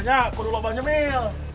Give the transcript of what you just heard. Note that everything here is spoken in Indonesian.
aku dulu bang nyemil